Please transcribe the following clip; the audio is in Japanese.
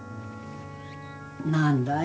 何だい？